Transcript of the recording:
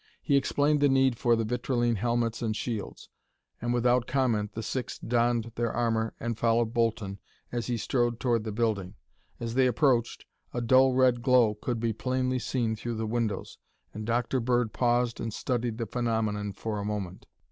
He explained the need for the vitrilene helmets and shields, and without comment the six donned their armor and followed Bolton as he strode toward the building. As they approached, a dull red glow could be plainly seen through the windows, and Dr. Bird paused and studied the phenomenon for a moment.